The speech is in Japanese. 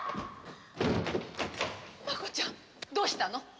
摩子ちゃんどうしたの？